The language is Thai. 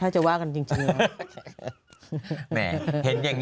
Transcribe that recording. ถ้าจะว่ากันจริง